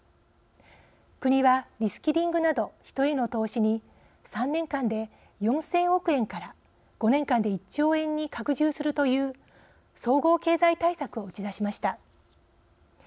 国はリスキリングなど人への投資に３年間で４０００億円から５年間で１兆円に拡充するという総合経済対策を打ち出しました。